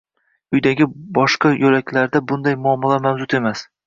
Uydagi boshqa yoʻlaklarda bunday muammolar mavjud emas.